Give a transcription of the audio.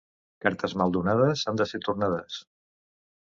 Cartes mal donades han de ser tornades.